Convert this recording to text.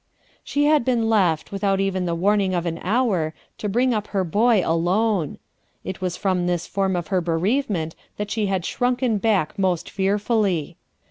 She had been left, without even the warning of an hour, to bring up their boy alone ! It was from this form of her bereavement that die had shrunken back most fearfully.